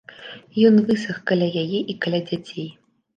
Ён высах каля яе і каля дзяцей.